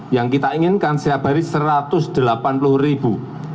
yang kita inginkan setiap hari satu ratus delapan puluh ribu